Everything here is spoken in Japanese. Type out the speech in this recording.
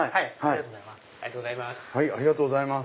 ありがとうございます。